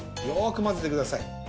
よくまぜてください。